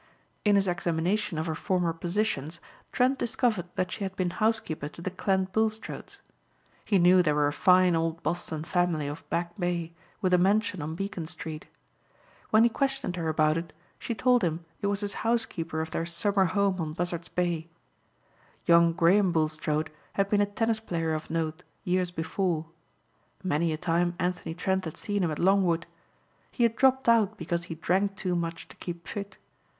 In his examination of her former positions Trent discovered that she had been housekeeper to the Clent Bulstrodes. He knew they were a fine, old Boston family of Back Bay, with a mansion on Beacon street. When he questioned her about it she told him it was as housekeeper of their summer home on Buzzards' Bay. Young Graham Bulstrode had been a tennis player of note years before. Many a time Anthony Trent had seen him at Longwood. He had dropped out because he drank too much to keep fit.